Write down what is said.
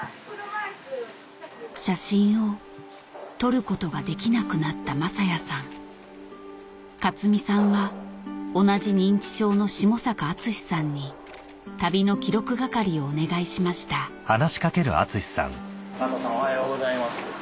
写真を撮ることができなくなった正哉さん雅津美さんは同じ認知症の下坂厚さんに旅の記録係をお願いしました加藤さんおはようございます。